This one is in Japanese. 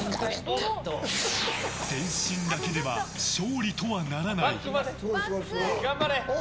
前進だけでは勝利とはならない。